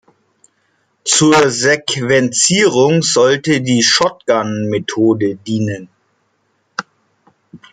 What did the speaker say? Zur Sequenzierung sollte die Shotgun-Methode dienen.